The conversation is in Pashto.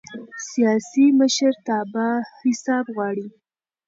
سیاسي مشرتابه حساب غواړي